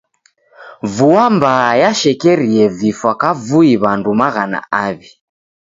Vua mbaa yashekerie vifwa kavui w'andu maghana aw'i.